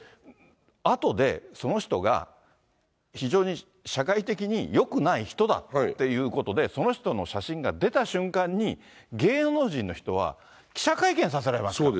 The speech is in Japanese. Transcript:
あとで、その人が非常に社会的によくない人だっていうことで、その人の写真が出た瞬間に、芸能人の人は記者会見させられますから。